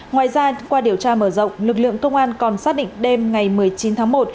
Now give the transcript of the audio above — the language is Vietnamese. ngoài ra qua điều tra mở rộng lực lượng công an còn xác định đêm ngày một mươi chín tháng một